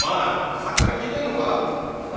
さっきから聞いてんのか？